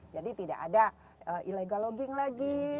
jadi tidak ada illegal logging lagi